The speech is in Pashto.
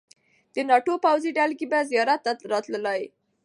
د ناټو پوځي دلګۍ به زیارت ته راتللې.